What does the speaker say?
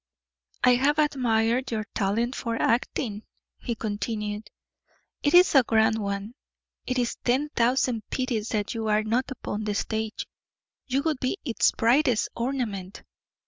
"I have admired your talent for acting," he continued; "it is a grand one. It is ten thousand pities that you are not upon the stage; you would be its brightest ornament.